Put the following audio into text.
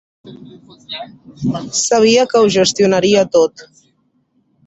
Sabia que ho gestionaria tot!